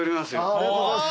ありがとうございます。